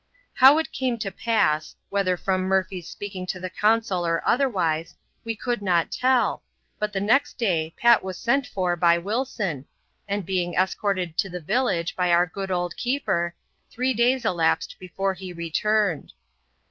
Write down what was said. How it came to pass — whether from Murphy's q)eaking to the consul, or otherwise — we could not tell, but the next day Pat was sent for by Wilson, and being escorted to the village by our good old keeper, three days elapsed before he returned.